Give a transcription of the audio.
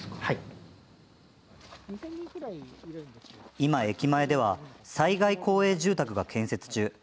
今、駅前では災害公営住宅が建設中。